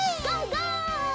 ゴー！